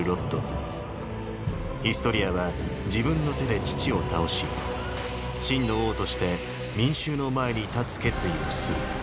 ヒストリアは自分の手で父を倒し真の王として民衆の前に立つ決意をする。